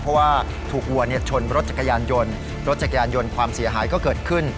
เพราะว่าถูกวัวชนรถจักรยานยนต์รถจักรยานยนต์ความเสียหายก็เกิดขึ้น